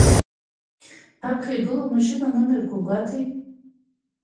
Ҳаԥхьа игылоу амашьына аномерқәа гәаҭи!